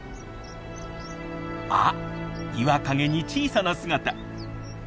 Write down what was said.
あっ岩陰に小さな姿！